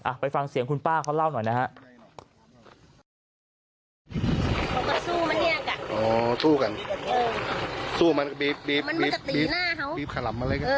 ไปฟังเสียงคุณป้าเขาเล่าหน่อยนะฮะ